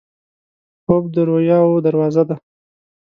خوب د رویاوو دروازه ده